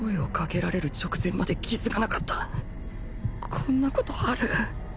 こんなことある？